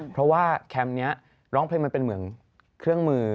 เพราะว่าแคมป์นี้ร้องเพลงมันเป็นเหมือนเครื่องมือ